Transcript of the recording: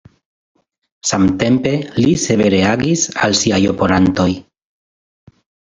Samtempe li severe agis al siaj oponantoj.